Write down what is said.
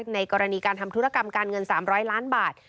ในกรณีการทำธุรกรรมการเงิน๓๐๐ล้านบาท